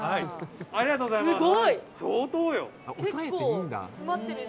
ありがとうございます。